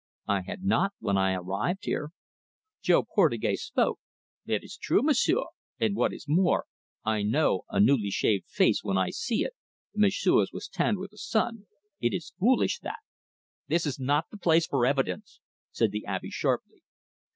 "I had not when I arrived here." Jo Portugais spoke. "That is true, M'sieu'; and what is more, I know a newly shaved face when I see it, and M'sieu's was tanned with the sun. It is foolish, that!" "This is not the place for evidence," said the Abbe sharply.